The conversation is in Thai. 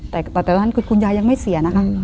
แต่ตอนนั้นคือคุณยายยังไม่เสียนะคะ